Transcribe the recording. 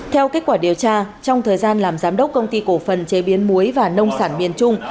theo kết quả điều tra trong thời gian làm giám đốc công ty cổ phần chế biến muối và nông sản miền trung